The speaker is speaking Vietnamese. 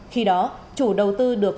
khi đó chủ đầu tư được